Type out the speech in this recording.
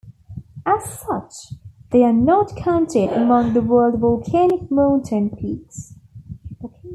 As such, they are not counted among the world volcanic mountain peaks.